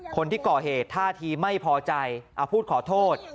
คนที่ก่อเหตุท่าทีไม่พอใจเอาพูดขอโทษ